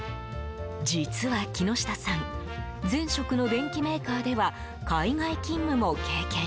実は木下さん前職の電機メーカーでは海外勤務も経験。